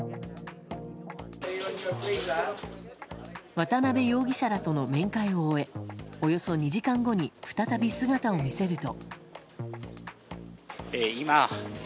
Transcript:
渡辺容疑者らとの面会を終えおよそ２時間後に再び姿を見せると。